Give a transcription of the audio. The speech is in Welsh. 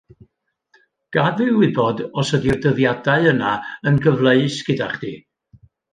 Gad fi wybod os ydi'r dyddiadau yna yn gyfleus gyda chdi